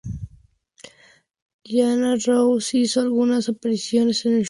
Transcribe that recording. Diana Ross hizo algunas apariciones en el show.